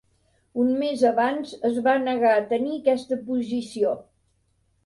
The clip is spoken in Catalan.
Un mes abans, es va negar a tenir aquesta posició.